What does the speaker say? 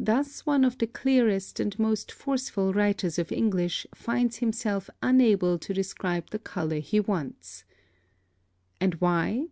Thus one of the clearest and most forceful writers of English finds himself unable to describe the color he wants. And why?